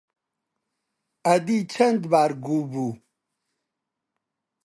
ئەدی چەند بار گوو بوو؟